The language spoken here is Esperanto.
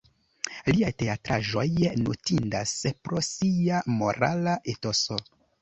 Liaj teatraĵoj notindas pro sia morala etoso.